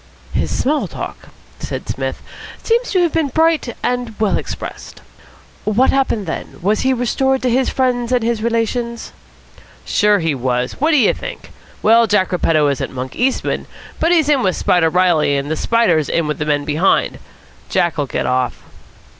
"His small talk," said Psmith, "seems to have been bright and well expressed. What happened then? Was he restored to his friends and his relations?" "Sure, he was. What do you think? Well, Jack Repetto isn't Monk Eastman, but he's in with Spider Reilly, and the Spider's in with the men behind. Jack'll get off."